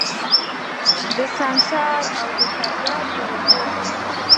دسنګسار اودفریاد په اوږو تلمه